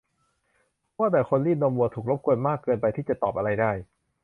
แต่ว่าคนรีดนมวัวถูกรบกวนมากเกินไปที่จะตอบอะไรได้